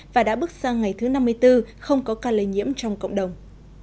và đã bước sang ngày thứ năm mươi bốn không có ca lây nhiễm trong cộng đồng